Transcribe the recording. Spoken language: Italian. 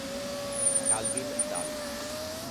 Calvin Davis